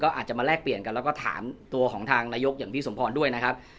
อาจจะมาแลกเปลี่ยนกันแล้วก็ถามตัวของทางนายกอย่างพี่สมพรด้วยนะครับ